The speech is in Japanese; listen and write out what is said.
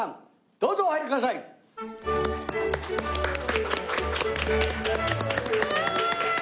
どうぞお入りください。うわ！